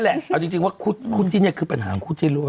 เอาจริงว่าคู่ที่นี่คือปัญหาของคู่ที่รู้อ่ะ